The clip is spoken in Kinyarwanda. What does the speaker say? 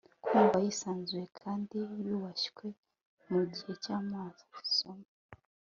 kumva yisanzuye kandi yubashywe mu gihe cy'amasomo